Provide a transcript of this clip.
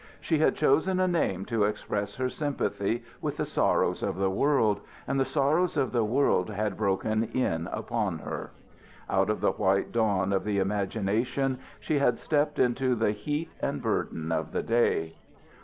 She had chosen a name to express her sympathy with the sorrows of the world, and the sorrows of the world had broken in upon her. Out of the white dawn of the imagination she had stepped into the heat and burden of the day.